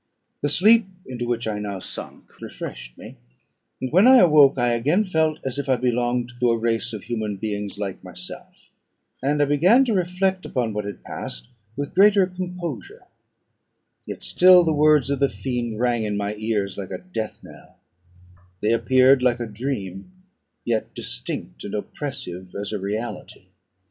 The sleep into which I now sunk refreshed me; and when I awoke, I again felt as if I belonged to a race of human beings like myself, and I began to reflect upon what had passed with greater composure; yet still the words of the fiend rung in my ears like a death knell, they appeared like a dream, yet distinct and oppressive as a reality.